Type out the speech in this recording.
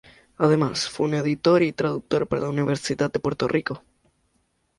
Además, fue editor y traductor para la Universidad de Puerto Rico.